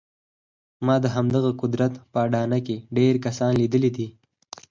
ما د همدغه قدرت په اډانه کې ډېر کسان لیدلي دي